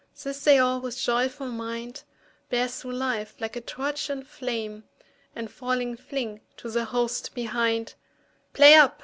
This they all with a joyful mind Bear through life like a torch in flame, And falling fling to the host behind "Play up!